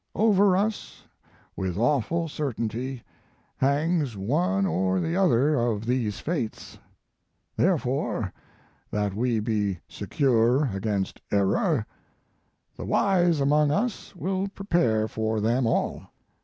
Over us, with awful certainty, hangs one or the other of these fates. Therefore, that we be secure against error, the wise among us will prepare for them all.